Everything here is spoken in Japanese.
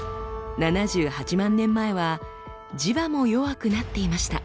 ７８万年前は磁場も弱くなっていました。